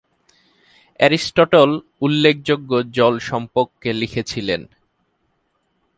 Aristotle উল্লেখযোগ্য জল সম্পর্কে লিখেছিলেন।